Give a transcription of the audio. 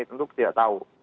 tentu tidak tahu